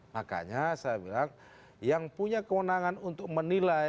makanya saya bilang yang punya kewenangan untuk menilai